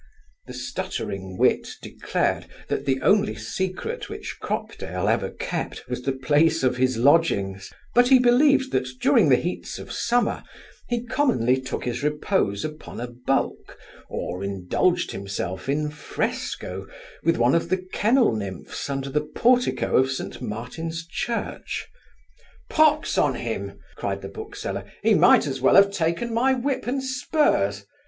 The stuttering wit declared, that the only secret which Cropdale ever kept, was the place of his lodgings; but he believed, that, during the heats of summer, he commonly took his repose upon a bulk, or indulged himself, in fresco, with one of the kennel nymphs, under the portico of St Martin's church. 'Pox on him! (cried the bookseller) he might as well have taken my whip and spurs.